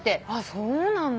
そうなんだ。